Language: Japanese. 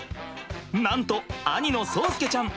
なんと兄の蒼介ちゃん